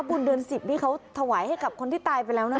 บุญเดือน๑๐นี่เขาถวายให้กับคนที่ตายไปแล้วนะ